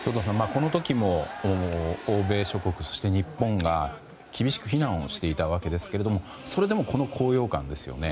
この時も欧米諸国、そして日本が厳しく非難をしていたわけですがそれでもこの高揚感ですよね。